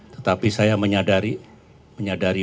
tetapi saya menyadari